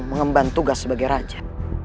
mengembang tugas sebagai raja